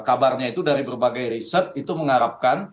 jadi saya berpikir kalau kita melakukan berbagai berbagai riset itu mengharapkan